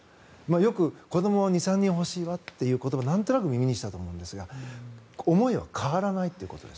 よく、子どもは２３人は欲しいわという言葉なんとなく耳にしたと思うんですが思いは変わらないということです。